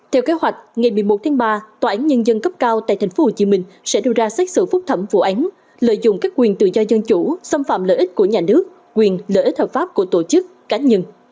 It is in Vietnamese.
theo kế hoạch ngày một mươi một tháng ba tòa án nhân dân cấp cao tại tp hcm sẽ đưa ra xét xử phúc thẩm vụ án lợi dụng các quyền tự do dân chủ xâm phạm lợi ích của nhà nước quyền lợi ích hợp pháp của tổ chức cá nhân